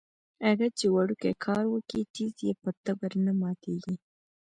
اگه چې وړوکی کار وکي ټيز يې په تبر نه ماتېږي.